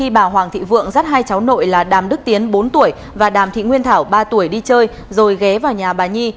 bà hoàng thị vượng dắt hai cháu nội là đàm đức tiến bốn tuổi và đàm thị nguyên thảo ba tuổi đi chơi rồi ghé vào nhà bà nhi